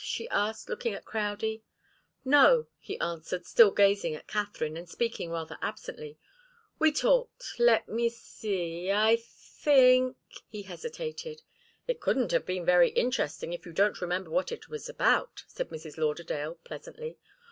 she asked, looking at Crowdie. "No," he answered, still gazing at Katharine, and speaking rather absently. "We talked let me see I think " He hesitated. "It couldn't have been very interesting, if you don't remember what it was about," said Mrs. Lauderdale, pleasantly.